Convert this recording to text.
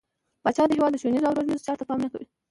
پاچا د هيواد ښونيرو او روزنيزو چارو ته پام نه کوي.